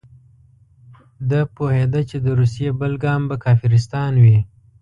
ده پوهېده چې د روسیې بل ګام به کافرستان وي.